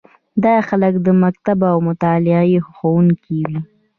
دا خلک د مکتب او مطالعې خوښوونکي وي.